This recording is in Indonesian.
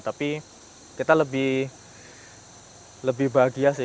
tapi kita lebih bahagia sih